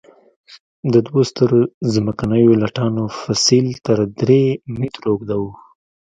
د دوو سترو ځمکنیو لټانو فسیل تر درې مترو اوږده وو.